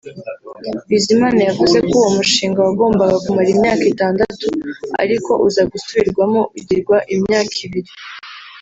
Bizimana yavuze ko uwo mushinga wagombaga kumara imyaka itandatu ariko uza gusubirwamo ugirwa imyaka ibiri